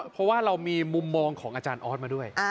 เพราะว่าเรามีมุมมองของอาจารย์ออสมาด้วย